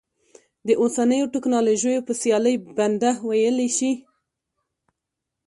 د اوسنیو ټکنالوژیو په سیالۍ بنده ویلی شي.